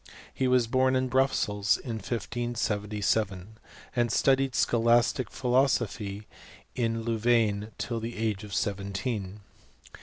He was born in Brussels in 1577, and studied scholastic philosophy in Louvain till the age of seventeen.